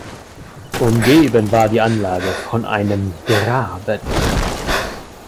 Umgeben war die Anlage von einem Graben.